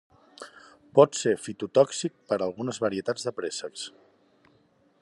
Pot ser fitotòxic per algunes varietats de préssecs.